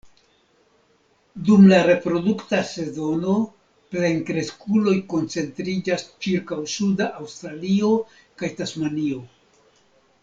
Dum la reprodukta sezono, plenkreskuloj koncentriĝas ĉirkaŭ suda Aŭstralio kaj Tasmanio.